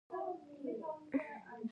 مورګان هم پر دې موضوع باندې ښه پوهېده